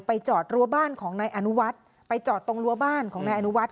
จอดรั้วบ้านของนายอนุวัฒน์ไปจอดตรงรั้วบ้านของนายอนุวัฒ